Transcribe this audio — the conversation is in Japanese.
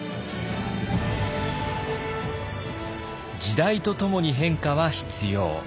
時代とともに変化は必要。